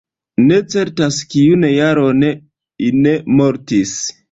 Ne certas kiun jaron Ine mortis.